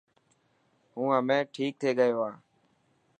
هون همي ٺيڪ ٿي گيو هان